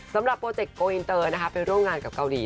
โปรเจคโกอินเตอร์นะคะไปร่วมงานกับเกาหลี